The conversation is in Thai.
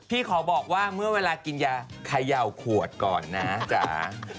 ขอบอกว่าเมื่อเวลากินยาเขย่าขวดก่อนนะจ๋า